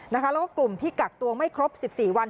แล้วก็กลุ่มที่กักตัวไม่ครบ๑๔วัน